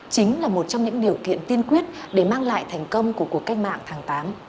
chính là một trong những điều kiện tiên quyết để mang lại thành công của cuộc cách mạng tháng tám